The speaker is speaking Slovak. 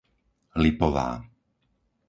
Lipová